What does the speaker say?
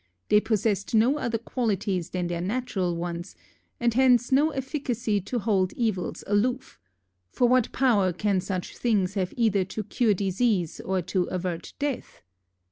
They possessed no other qualities than their natural ones, and hence no efficacy to hold evils aloof; for what power can such things have either to cure disease or to avert death?